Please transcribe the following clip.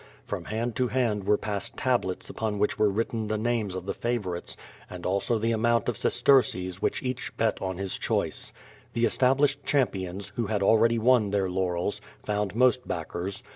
From hand to hand were passed tablets upon which were written the names of the favorites and also the amount of sesterces which each bet on his choice. The established champions, who had already won their laurels, found most backers.